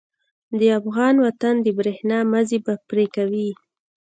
د افغان وطن د برېښنا مزی به پرې کوي.